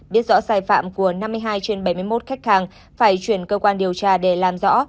biết rõ sai phạm của năm mươi hai trên bảy mươi một khách hàng phải chuyển cơ quan điều tra để làm rõ